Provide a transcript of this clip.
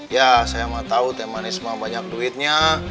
ya saya mah tahu teh manis mah banyak duitnya